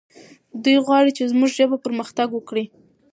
دی غواړي چې زموږ ژبه پرمختګ وکړي.